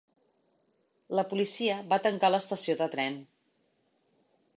La policia va tancar l'estació de tren.